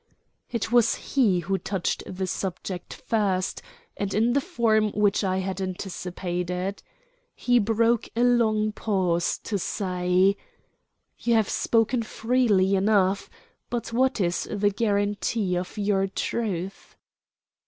It was he who touched the subject first, and in the form which I had anticipated. He broke a long pause to say: "You have spoken freely enough, but what is the guarantee of your truth?"